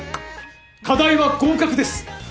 課題は合格です。